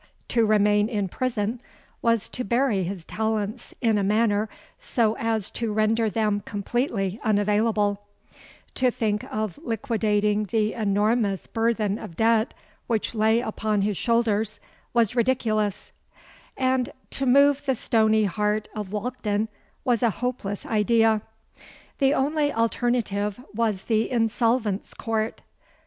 To remain in prison was to bury his talents in a manner so as to render them completely unavailable,—to think of liquidating the enormous burthen of debt which lay upon his shoulders, was ridiculous,—and to move the stony heart of Walkden was a hopeless idea. The only alternative was the Insolvents' Court.